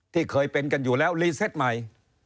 ที่เคยเป็นกันอยู่แล้วรีเซตใหม่